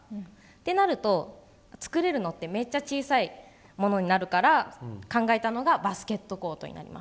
そうなると、作れるのってめっちゃ小さいものになるから考えたのがバスケットコートです。